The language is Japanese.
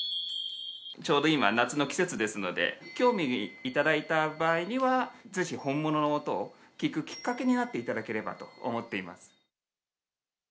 ちょうど今、夏の季節ですので、興味頂いた場合には、ぜひ本物を音を聴くきっかけになっていただければと思っています。